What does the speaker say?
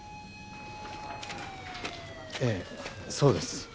ええそうです。